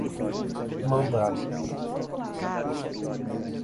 mandados